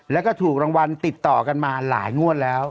แล้วก็ถูกรางวัลติดต่อกันมาหลายงวดแล้ว